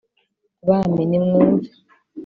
bami nimwumve